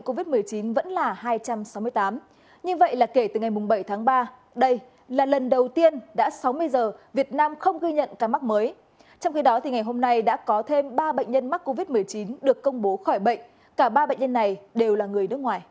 cả ba bệnh nhân này đều là người nước ngoài